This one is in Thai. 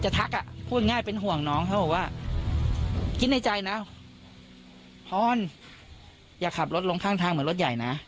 ถ้าจะว่าเขาอย่างนี้